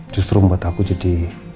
justru membuat aku jadi